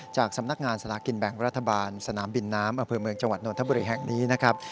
จากสำนักงานสลากินแบ่งรัฐบาลสนามบินน้ำอเภอเมืองจังหวัดนทบุรีแห่งนี้นะครับ